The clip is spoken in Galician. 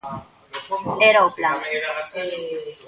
Era o plan.